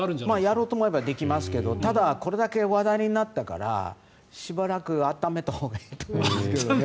やろうと思えばできますけどただこれだけ話題になったからしばらく温めたほうがいいと思いますけど。